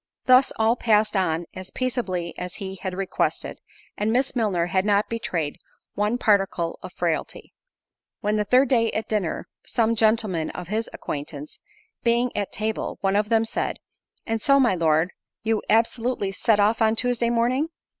Thus, all passed on as peaceably as he had requested, and Miss Milner had not betrayed one particle of frailty; when, the third day at dinner, some gentlemen of his acquaintance being at table, one of them said, "And so, my Lord, you absolutely set off on Tuesday morning?"